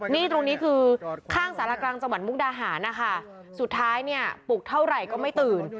นี่ตรงนี้คือข้างสารกลางจังหวัดมุกดาหารนะคะสุดท้ายเนี่ยปลุกเท่าไหร่ก็ไม่ตื่น